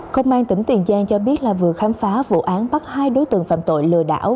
công an tỉnh tiền giang cho biết là vừa khám phá vụ án bắt hai đối tượng phạm tội lừa đảo